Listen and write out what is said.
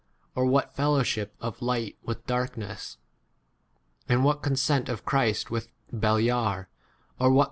orP what fellowship of light with darkness ? 15 and what consent of Christ with Beliar, See verse 1. c T.